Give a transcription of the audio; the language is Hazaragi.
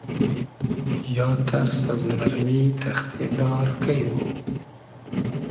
یا تئرس از مئرمی تئختې دار کݷ مۉ